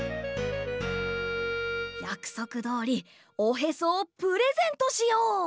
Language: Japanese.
やくそくどおりおへそをプレゼントしよう！